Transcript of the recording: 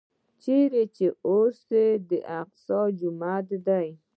چېرته چې اوس د الاقصی جومات دی.